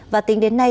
và tính đến nay